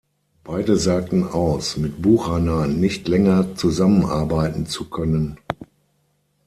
Beide sagten aus, mit Buchanan nicht länger zusammenarbeiten zu können.